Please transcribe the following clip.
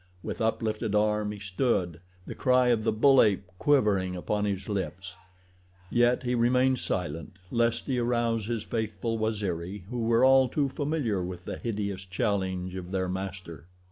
With uplifted arm he stood, the cry of the bull ape quivering upon his lips, yet he remained silent lest he arouse his faithful Waziri who were all too familiar with the hideous challenge of their master.